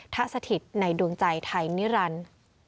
สถิตในดวงใจไทยนิรันดิ์